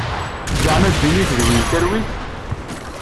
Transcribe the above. Zeɛma ddin-ik d win n talwit?